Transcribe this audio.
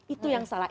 itu yang salah